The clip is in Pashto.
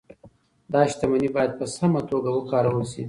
دا شتمني باید په سمه توګه وکارول شي.